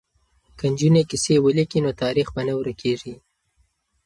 که نجونې کیسې ولیکي نو تاریخ به نه ورکيږي.